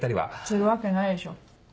するわけないでしょ。